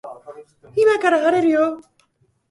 今から晴れるよ